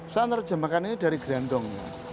saya menerjemahkan ini dari grandong